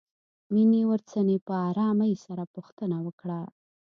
مينې ورڅنې په آرامۍ سره پوښتنه وکړه.